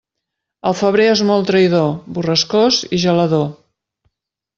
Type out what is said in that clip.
El febrer és molt traïdor, borrascós i gelador.